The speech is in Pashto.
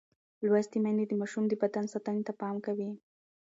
لوستې میندې د ماشوم د بدن ساتنې ته پام کوي.